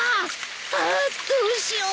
ああっどうしよう。